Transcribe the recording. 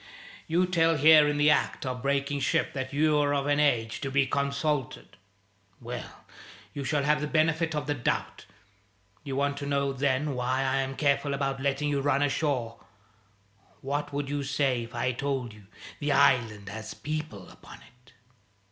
You tell here in the act of breaking ship, that you're of an age to be consulted. Well, you shall have the benefit of the doubt. You want to know, then, why I'm careful about letting you run ashore? What would you say if I told you the island has people upon it?"